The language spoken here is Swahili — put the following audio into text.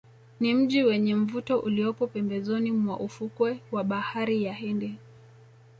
Ni mji wenye mvuto uliopo pembezoni mwa ufukwe wa bahari ya Hindi